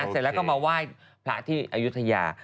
เสร็จแล้วก็มาไหว้พระที่อายุทยา